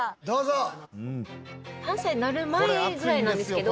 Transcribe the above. どうぞ！